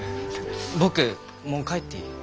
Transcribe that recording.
僕もう帰っていい？